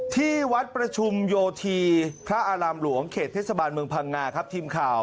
ที่วัดประชุมโยธีพระอารามหลวงเขตเทศบาลเมืองพังงาครับทีมข่าว